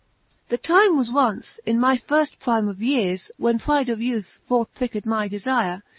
The time was once, in my firft prime of yeares, When pride of youth forth pricked my deflre.